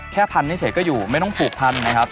พันเฉยก็อยู่ไม่ต้องผูกพันนะครับ